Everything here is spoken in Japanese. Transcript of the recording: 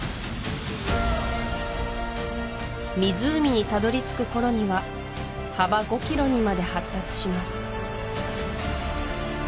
湖に辿り着く頃には幅５キロにまで発達します